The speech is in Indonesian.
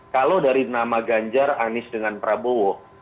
kalau dari nama ganjar anies dengan prabowo